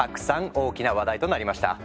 大きな話題となりました。